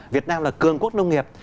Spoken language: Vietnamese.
việt nam là cường quốc nông nghiệp